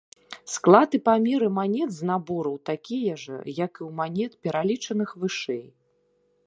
Склад і памеры манет з набораў такія жа, як і ў манет, пералічаных вышэй.